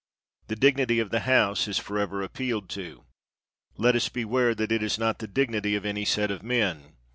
The dignity of the House is for ever appealed to. Let us beware that it is not the dignity of any set of men.